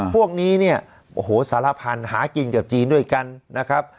พวกนี้เนี่ยโอ้โหสารพันธุ์หากินกับจีนด้วยกันนะครับ